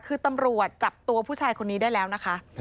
คือตำรวจจับตัวผู้ชายคนนี้ได้แล้วนะคะ